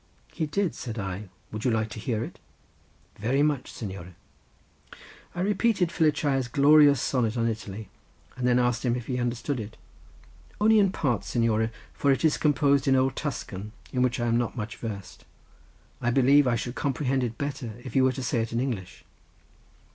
"He did," said I; "would you like to hear it?" "Very much, signore." I repeated Filicaia's glorious sonnet on Italy, and then asked him if he understood it. "Only in part, signore; for it is composed in old Tuscan, in which I am not much versed. I believe I should comprehend it better if you were to say it in English."